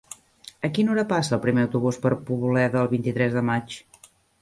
A quina hora passa el primer autobús per Poboleda el vint-i-tres de maig?